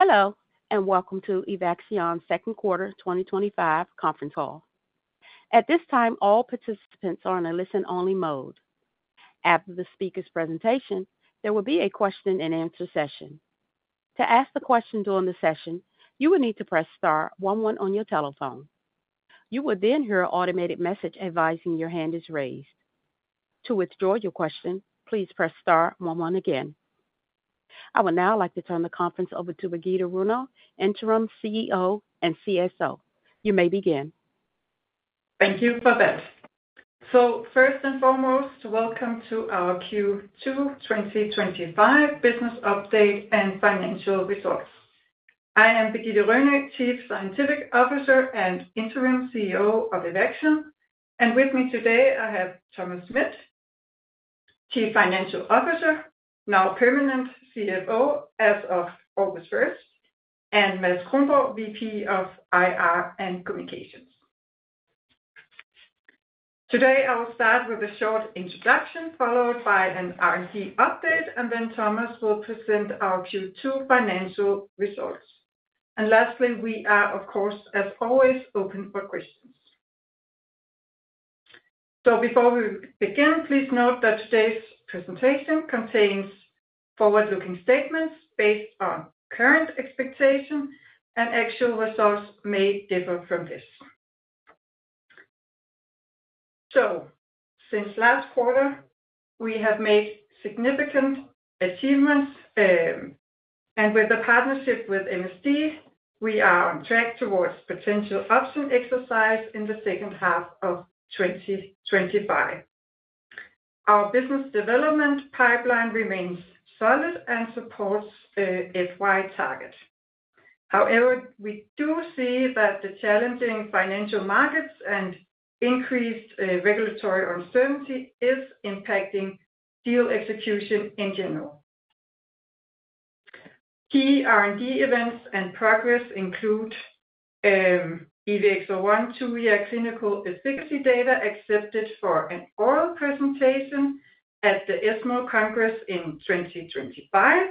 Hello, and welcome to Evaxion second quarter 2025 conference Call. At this time, all participants are in a listen-only mode. After the speaker's presentation, there will be a question and answer session. To ask a question during the session, you will need to press one one on your telephone. You will then hear an automated message advising your hand is raised. To withdraw your question, please press one one again. I would now like to turn the conference over to Birgitte Rønø, Interim CEO and Chief Scientific Officer. You may begin. Thank you for that. First and foremost, welcome to our Q2 2025 business update and financial results. I am Birgitte Rønø, Chief Scientific Officer and Interim CEO of Evaxion. With me today, I have Thomas Schmidt, Chief Financial Officer, now permanent CFO as of August 1st, and Mads Kronborg, Vice President of Investor Relations and Communication. Today, I will start with a short introduction followed by an R&D update, and then Thomas will present our Q2 financial results. Lastly, we are, of course, as always, open for questions. Before we begin, please note that today's presentation contains forward-looking statements based on current expectations, and actual results may differ from this. Since last quarter, we have made significant achievements, and with the partnership with MSD, we are on track towards potential option exercise in the second half of 2025. Our business development pipeline remains solid and supports the FY targets. However, we do see that the challenging financial markets and increased regulatory uncertainty are impacting deal execution in general. Key R&D events and progress include EVX-01 two-year clinical efficacy data accepted for an oral presentation at the ESMO Congress in 2025.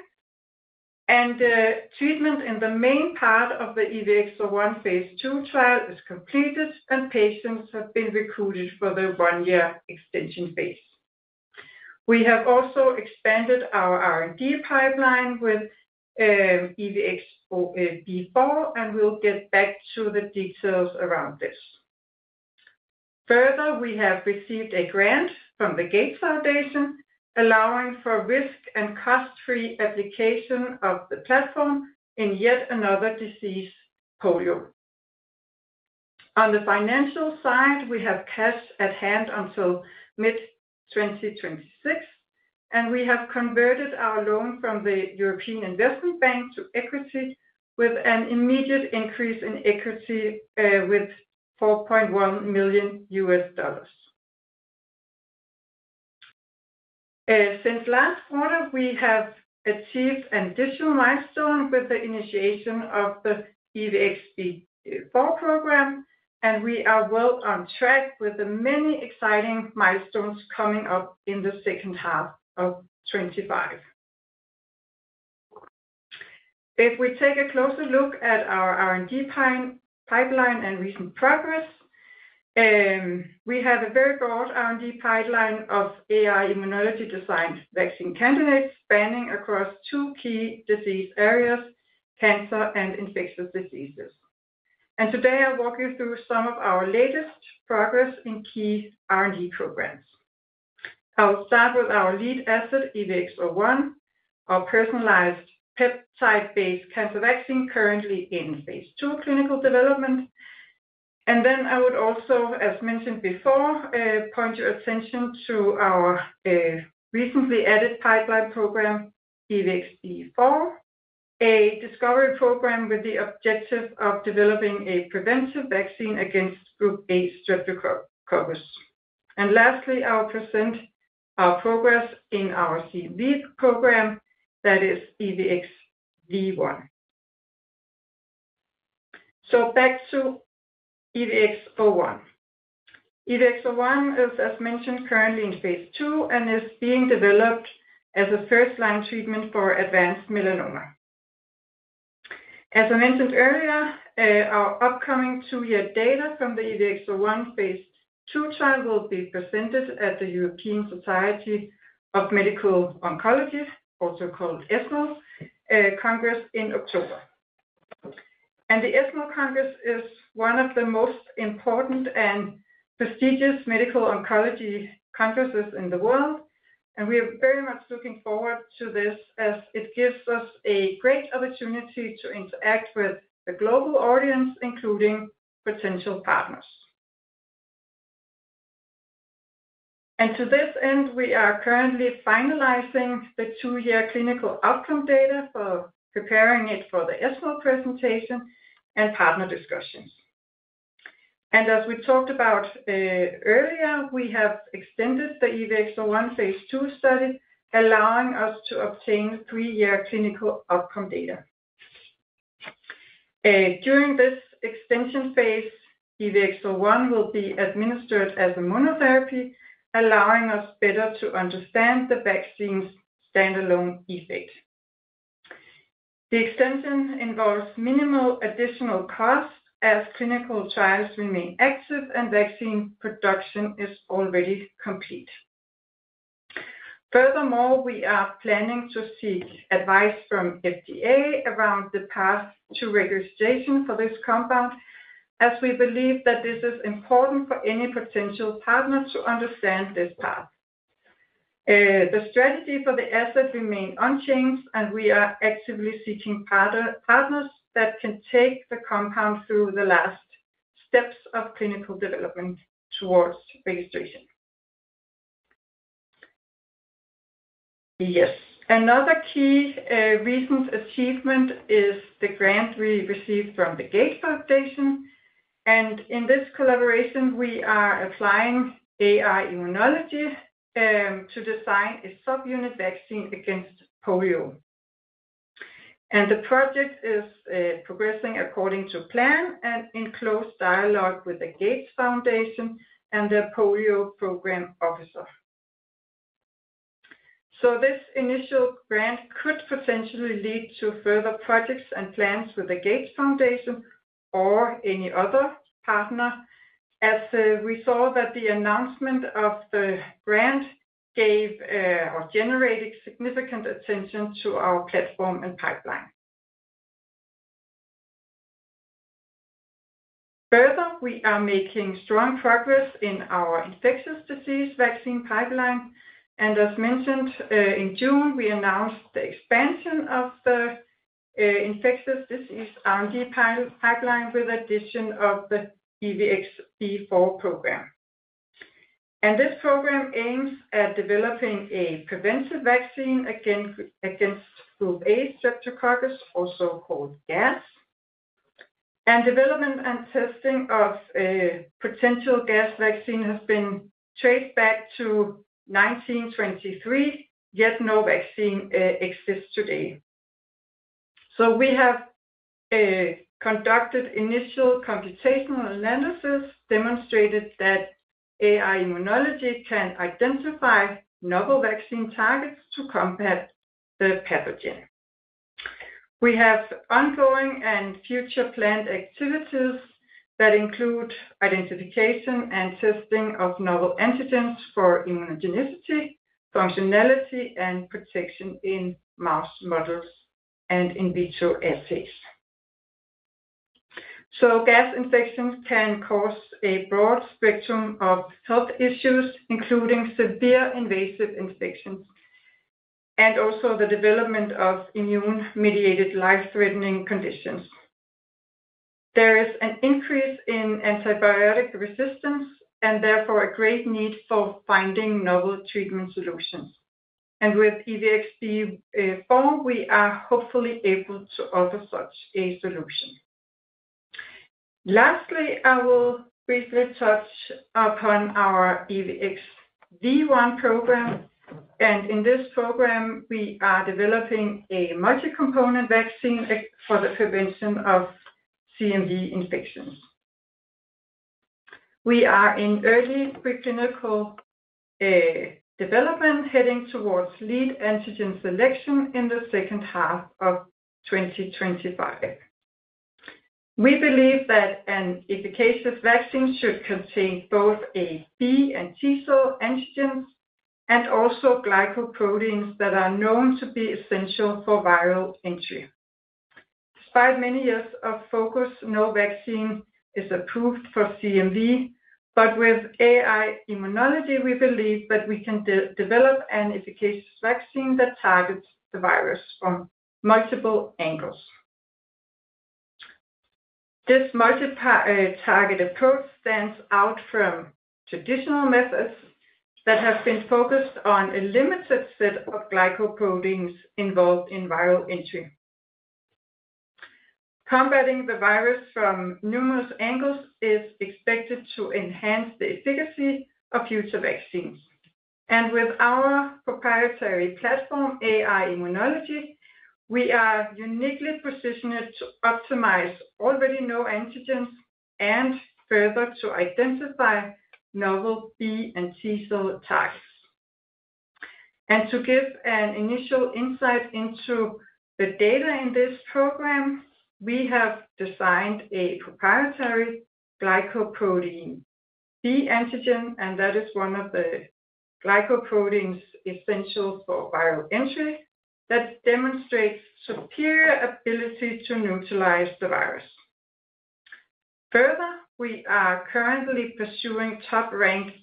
Treatment in the main part of the EVX-01 phase II trial is completed, and patients have been recruited for the one-year extension phase. We have also expanded our R&D pipeline with EVX-04, and we'll get back to the details around this. Further, we have received a grant from the Gates Foundation allowing for risk and cost-free application of the platform in yet another disease: polio. On the financial side, we have cash at hand until mid-2026, and we have converted our loan from the European Investment Bank to equity with an immediate increase in equity with $4.1 million. Since last quarter, we have achieved an additional milestone with the initiation of the EVX-04 program, and we are well on track with the many exciting milestones coming up in the second half of 2025. If we take a closer look at our R&D pipeline and recent progress, we have a very broad R&D pipeline of AI-Immunology-designed vaccine candidates spanning across two key disease areas: cancer and infectious diseases. Today, I'll walk you through some of our latest progress in key R&D programs. I'll start with our lead asset, EVX-01, our personalized peptide-based cancer vaccine currently in phase II clinical development. I would also, as mentioned before, point your attention to our recently added pipeline program, EVX-04, a discovery program with the objective of developing a preventive vaccine against group A streptococcus. Lastly, I'll present our progress in our lead program, that is EVX-01. Back to EVX-01. EVX-01 is, as mentioned, currently in phase II and is being developed as a first-line treatment for advanced melanoma. As I mentioned earlier, our upcoming two-year data from the EVX-01 phase II trial will be presented at the European Society for Medical Oncology also called ESMO Congress in October. The ESMO Congress is one of the most important and prestigious medical oncology conferences in the world, and we are very much looking forward to this as it gives us a great opportunity to interact with a global audience, including potential partners. To this end, we are currently finalizing the two-year clinical outcome data for preparing it for the ESMO presentation and partner discussions. As we talked about earlier, we have extended the EVX-01 phase II study, allowing us to obtain three-year clinical outcome data. During this extension phase, EVX01 will be administered as a monotherapy, allowing us better to understand the vaccine's standalone effect. The extension involves minimal additional costs as clinical trials remain active and vaccine production is already complete. Furthermore, we are planning to seek advice from FDA around the path to registration for this compound, as we believe that this is important for any potential partner to understand this path. The strategy for the asset remains unchanged, and we are actively seeking partners that can take the compound through the last steps of clinical development towards registration. Another key recent achievement is the grant we received from the Gates Foundation, and in this collaboration, we are applying AI-Immunology to design a subunit vaccine against polio. The project is progressing according to plan and in close dialogue with the Gates Foundation and the Polio Program Officer. This initial grant could potentially lead to further projects and plans with the Gates Foundation or any other partner, as we saw that the announcement of the grant generated significant attention to our platform and pipeline. Further, we are making strong progress in our infectious disease vaccine pipeline, and as mentioned in June, we announced the expansion of the infectious disease R&D pipeline with the addition of the EVX-04 program. This program aims at developing a preventive vaccine against group A streptococcus, also called GAS. Development and testing of a potential GAS vaccine has been traced back to 1923, yet no vaccine exists today. We have conducted initial computational analysis, demonstrated that AI-Immunology can identify novel vaccine targets to combat the pathogen. We have ongoing and future planned activities that include identification and testing of novel antigens for immunogenicity, functionality, and protection in mouse models and in vitro assays. GAS infections can cause a broad spectrum of health issues, including severe invasive infection and also the development of immune-mediated life-threatening conditions. There is an increase in antibiotic resistance and therefore a great need for finding novel treatment solutions. With EVX-04, we are hopefully able to offer such a solution. Lastly, I will briefly touch upon our EVX-01 program. In this program, we are developing a multi-component vaccine for the prevention of CMV infections. We are in early preclinical development, heading towards lead antigen selection in the second half of 2025. We believe that an efficacious vaccine should contain both B and T cell antigens and also glycoproteins that are known to be essential for viral entry. Despite many years of focus, no vaccine is approved for CMV, but with AI-Immunology, we believe that we can develop an efficacious vaccine that targets the virus from multiple angles. This multi-target approach stands out from traditional methods that have been focused on a limited set of glycoproteins involved in viral entry. Combating the virus from numerous angles is expected to enhance the efficacy of future vaccines. With our proprietary platform, AI-Immunology, we are uniquely positioned to optimize already known antigens and further to identify novel B and T cell types. To give an initial insight into the data in this program, we have designed a proprietary glycoprotein B antigen, and that is one of the glycoproteins essential for viral entry that demonstrates superior ability to neutralize the virus. Further, we are currently pursuing top-rank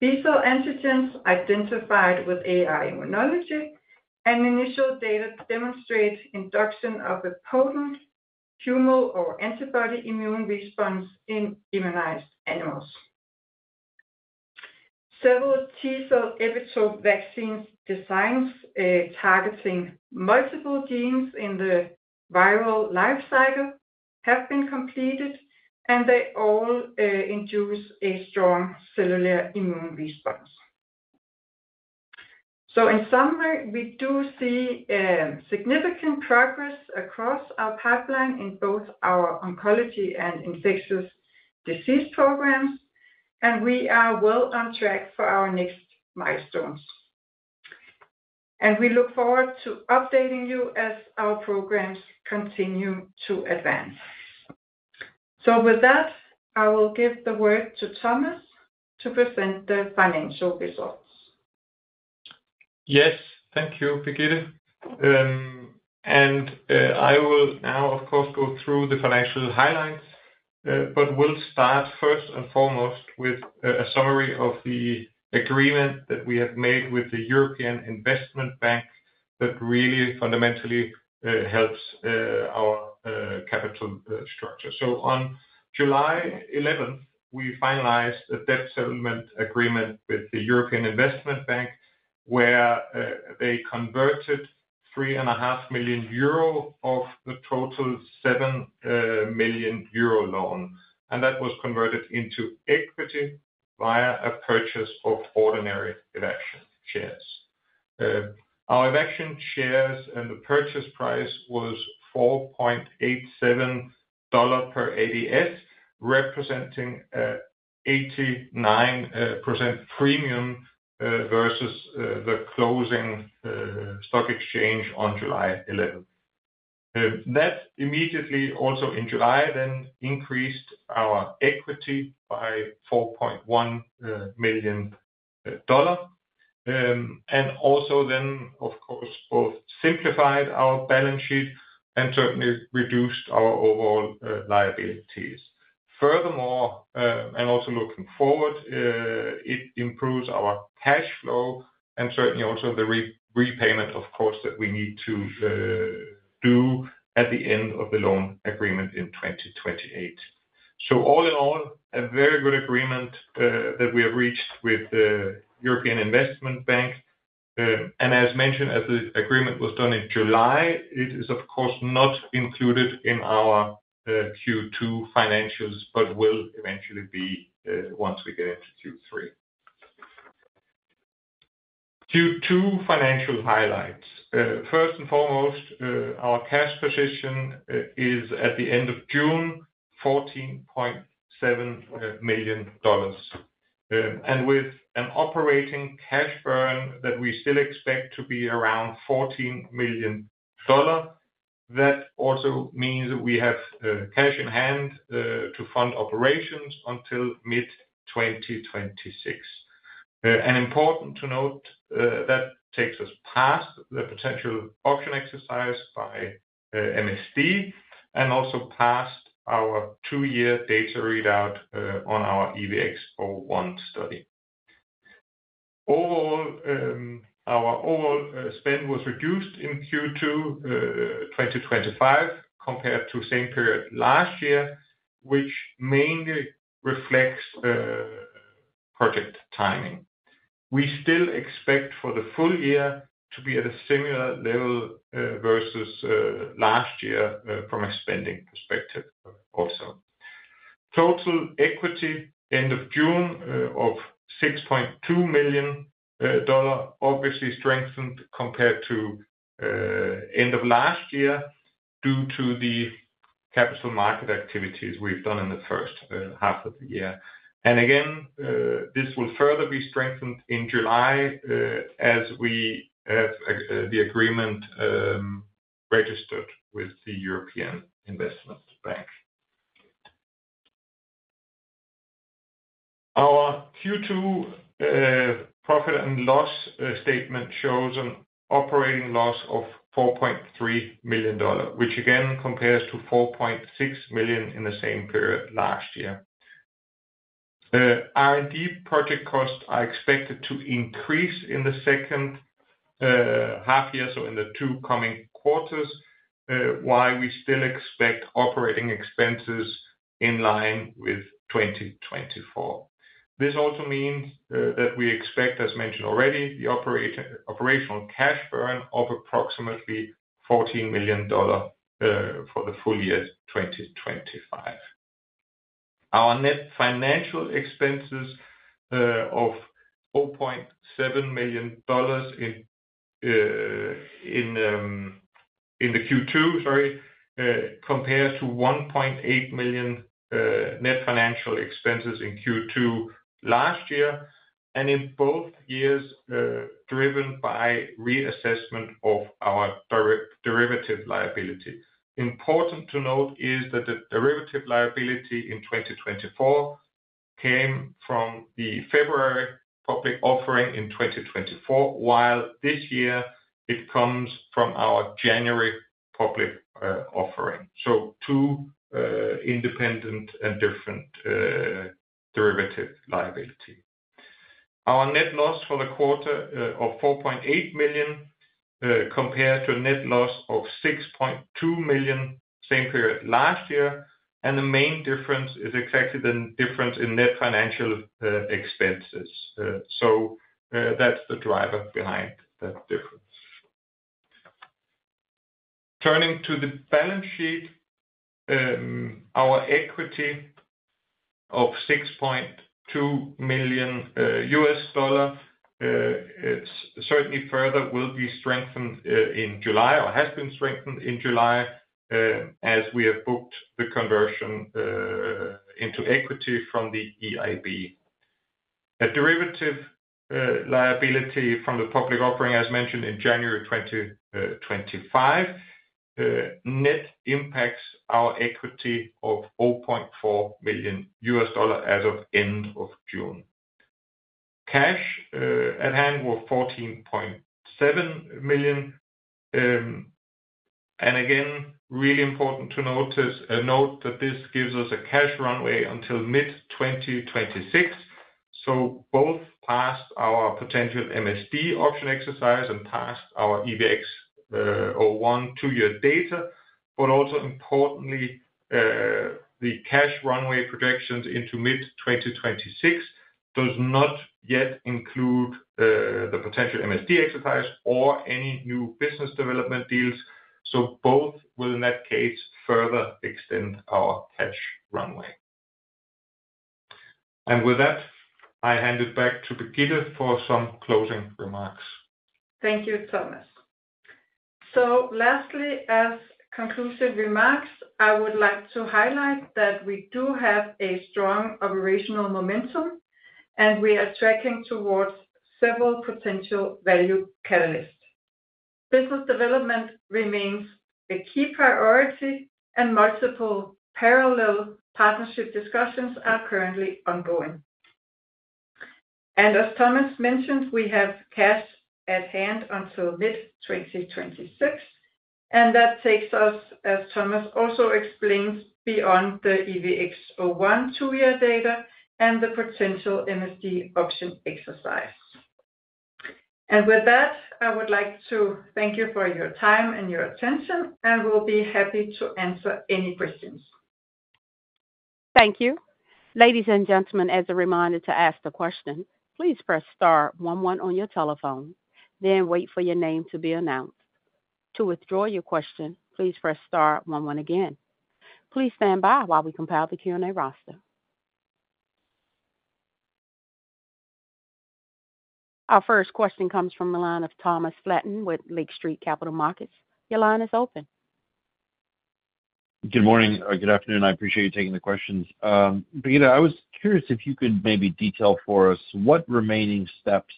B cell antigens identified with the AI-Immunology platform, and initial data demonstrate induction of a potent humoral or antibody immune response in immunized animals. Several T cell epitope vaccines designed targeting multiple genes in the viral life cycle have been completed, and they all induce a strong cellular immune response. In summary, we do see significant progress across our pipeline in both our oncology and infectious disease programs, and we are well on track for our next milestone. We look forward to updating you as our programs continue to advance. With that, I will give the word to Thomas to present the financial results. Yes, thank you, Birgitte. I will now, of course, go through the financial highlights, but we'll start first and foremost with a summary of the agreement that we have made with the European Investment Bank that really fundamentally helps our capital structure. On July 11th, we finalized a debt settlement agreement with the European Investment Bank where they converted €3.5 million of the total €7 million loan, and that was converted into equity via a purchase of ordinary Evaxion shares. Our Evaxion shares and the purchase price was $4.87 per ADS, representing an 89% premium versus the closing stock exchange on July 11th. That immediately, also in July, then increased our equity by $4.1 million, and also then, of course, both simplified our balance sheet and certainly reduced our overall liabilities. Furthermore, also looking forward, it improves our cash flow and certainly also the repayment, of course, that we need to do at the end of the loan agreement in 2028. All in all, a very good agreement that we have reached with the European Investment Bank. As mentioned, as the agreement was done in July, it is, of course, not included in our Q2 financials, but will eventually be once we get to Q3. Q2 financial highlights. First and foremost, our cash position is at the end of June: $14.7 million. With an operating cash burn that we still expect to be around $14 million, that also means that we have cash in hand to fund operations until mid-2026. Important to note, that takes us past the potential option exercise by MSD and also past our two-year data readout on our EVX-01 study. Overall, our overall spend was reduced in Q2 2025 compared to the same period last year, which mainly reflects project timing. We still expect for the full year to be at a similar level versus last year from a spending perspective also. Total equity end of June of $6.2 million obviously strengthened compared to the end of last year due to the capital market activities we've done in the first half of the year. Again, this will further be strengthened in July as we have the agreement registered with the European Investment Bank. Our Q2 profit and loss statement shows an operating loss of $4.3 million, which again compares to $4.6 million in the same period last year. R&D project costs are expected to increase in the second half year, in the two coming quarters, while we still expect operating expenses in line with 2024. This also means that we expect, as mentioned already, the operational cash burn of approximately $14 million for the full-year 2025. Our net financial expenses of $4.7 million in Q2, compared to $1.8 million net financial expenses in Q2 last year, in both years driven by reassessment of our derivative liability. Important to note is that the derivative liability in 2024 came from the February public offering in 2024, while this year it comes from our January public offering. Two independent and different derivative liabilities. Our net loss for the quarter of $4.8 million compared to a net loss of $6.2 million same period last year, and the main difference is exactly the difference in net financial expenses. That's the driver behind that difference. Turning to the balance sheet, our equity of $6.2 million, it certainly further will be strengthened in July or has been strengthened in July as we have booked the conversion into equity from the European Investment Bank. A derivative liability from the public offering, as mentioned in January 2025, net impacts our equity of $0.4 million as of the end of June. Cash at hand was $14.7 million. It is really important to note that this gives us a cash runway until mid-2026. Both past our potential MSD option exercise and past our EVX-01 two-year data, but also importantly, the cash runway projections into mid-2026 do not yet include the potential MSD exercise or any new business development deals. Both will, in that case, further extend our cash runway. With that, I hand it back to Birgitte for some closing remarks. Thank you, Thomas. Lastly, as conclusive remarks, I would like to highlight that we do have a strong operational momentum, and we are tracking towards several potential value catalysts. Business development remains a key priority, and multiple parallel partnership discussions are currently ongoing. As Thomas mentioned, we have cash at hand until mid-2026, and that takes us, as Thomas also explains, beyond the EVX-01 two-year data and the potential MSD option exercise. With that, I would like to thank you for your time and your attention, and we'll be happy to answer any questions. Thank you. Ladies and gentlemen, as a reminder to ask a question, please press one one on your telephone, then wait for your name to be announced. To withdraw your question, please press one one again. Please stand by while we compile the Q&A roster. Our first question comes from the line of Thomas Flaten with Lake Street Capital Markets. Your line is open. Good morning. Good afternoon. I appreciate you taking the questions. Birgitte, I was curious if you could maybe detail for us what remaining steps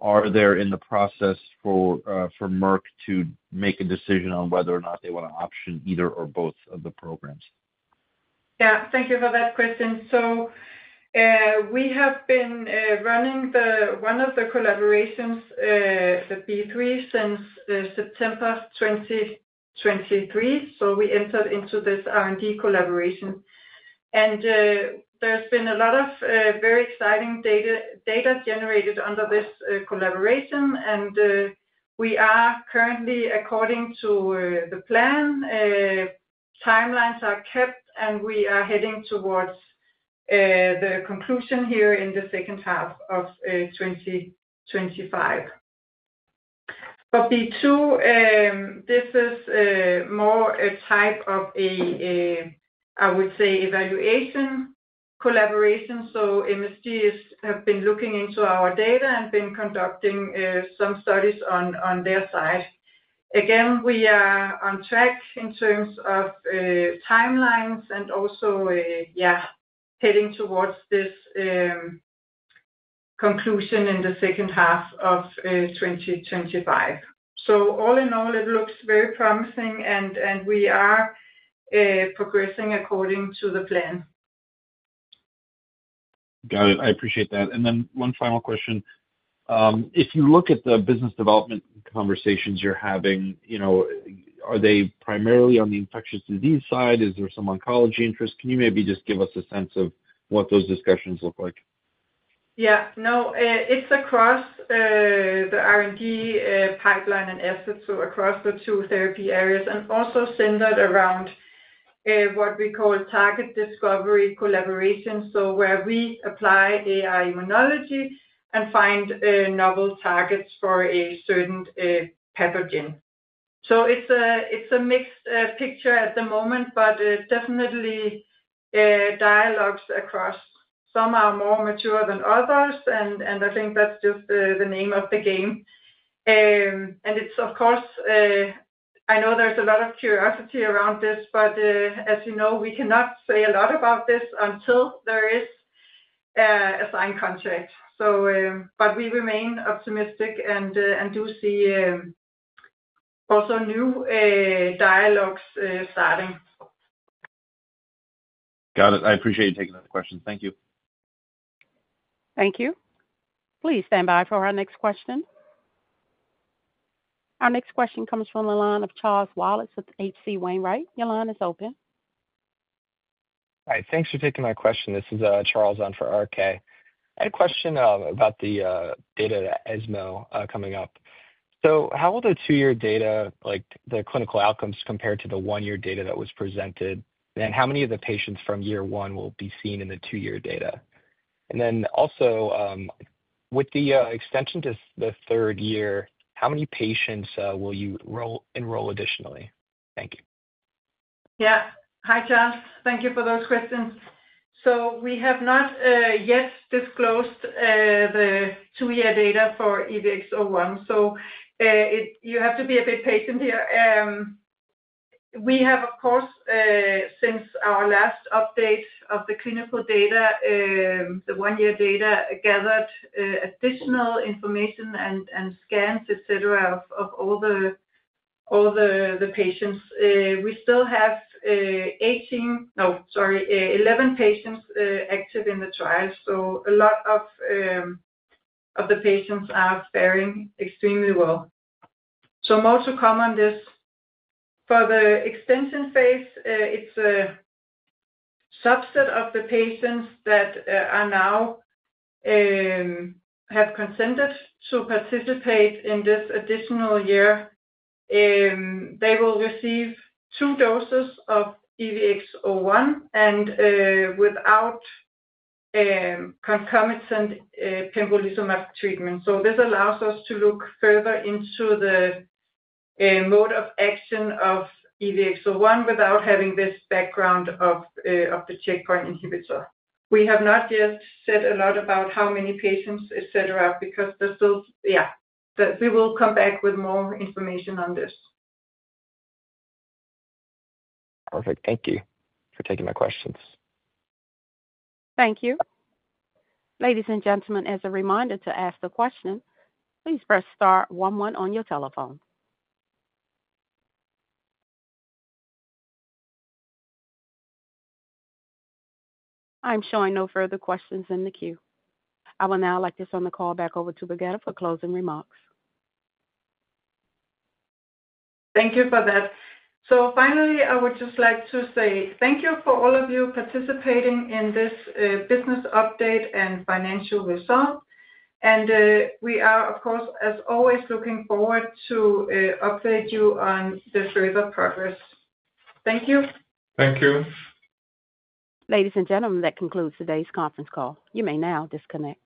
are there in the process for Merck. to make a decision on whether or not they want to option either or both of the programs? Thank you for that question. We have been running one of the collaborations, the EVX-B3, since September 2023. We entered into this R&D collaboration, and there's been a lot of very exciting data generated under this collaboration. We are currently, according to the plan, timelines are kept, and we are heading towards the conclusion here in the second half of 2025. The EVX-B2, this is more a type of, I would say, evaluation collaboration. MSD has been looking into our data and been conducting some studies on their side. We are on track in terms of timelines and also heading towards this conclusion in the second half of 2025. All in all, it looks very promising, and we are progressing according to the plan. I appreciate that. One final question. If you look at the business development conversations you're having, are they primarily on the infectious disease side? Is there some oncology interest? Can you maybe just give us a sense of what those discussions look like? Yeah. No, it's across the R&D pipeline and assets across the two therapy areas and also centered around what we call target discovery collaboration, where we apply AI-Immunology and find novel targets for a certain pathogen. It's a mixed picture at the moment, but definitely dialogues across. Some are more mature than others, and I think that's just the name of the game. Of course, I know there's a lot of curiosity around this, but as you know, we cannot say a lot about this until there is a signed contract. We remain optimistic and do see also new dialogues starting. Got it. I appreciate you taking that question. Thank you. Thank you. Please stand by for our next question. Our next question comes from the line of Charles Wallace with H.C. Wainwright. Your line is open. All right. Thanks for taking my question. This is Charles on for RK. I had a question about the data at ESMO coming up. How will the two-year data, like the clinical outcomes, compare to the one-year data that was presented? How many of the patients from year one will be seen in the two-year data? Also, with the extension to the third year, how many patients will you enroll additionally? Thank you. Hi, Charles. Thank you for those questions. We have not yet disclosed the two-year data for EVX-01. You have to be a bit patient here. We have, of course, since our last update of the clinical data, the one-year data, gathered additional information and scans, etc., of all the patients. We still have 11 patients active in the trial. A lot of the patients are faring extremely well. More to come on this. For the extension phase, it's a subset of the patients that have now consented to participate in this additional year. They will receive two doses of EVX-01 without concomitant pembrolizumab treatment. This allows us to look further into the mode of action of EVX-01 without having this background of the checkpoint inhibitor. We have not yet said a lot about how many patients, etc., because there's still, yeah, we will come back with more information on this. Perfect. Thank you for taking my questions. Thank you. Ladies and gentlemen, as a reminder to ask a question, please press one one on your telephone. I'm showing no further questions in the queue. I will now like to turn the call back over to Birgitte for closing remarks. Thank you for that. Finally, I would just like to say thank you for all of you participating in this business update and financial result. We are, of course, as always, looking forward to updating you on the further progress. Thank you. Thank you. Ladies and gentlemen, that concludes today's conference call. You may now disconnect.